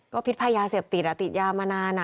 ก็พิทธิพายาเสพติดอะติดยามานานอะ